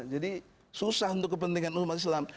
jadi susah untuk kepentingan umat islam